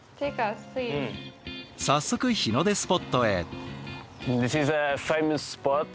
早速日の出スポットへ。